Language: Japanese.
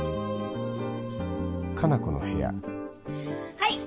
はい。